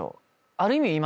ある意味今。